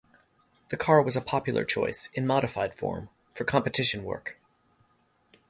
The car was a popular choice, in modified form, for competition work.